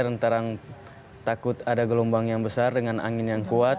rentang takut ada gelombang yang besar dengan angin yang kuat